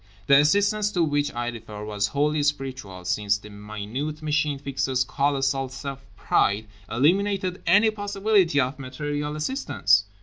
The assistance to which I refer was wholly spiritual; since the minute Machine Fixer's colossal self pride eliminated any possibility of material assistance.